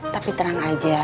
tapi terang aja